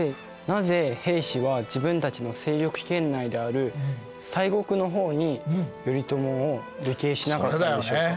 なぜ平氏は自分たちの勢力圏内である西国の方に頼朝を流刑しなかったんでしょうか？